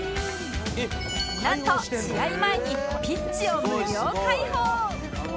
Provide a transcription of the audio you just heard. なんと試合前にピッチを無料開放！